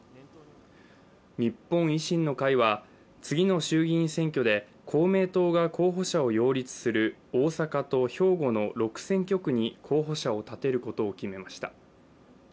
日本維新の会は次の衆議院選挙で公明党が候補者を擁立する大阪と兵庫の６選挙区に候補者を立てることを決めました。